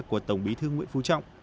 của tổng bí thư nguyễn phú trọng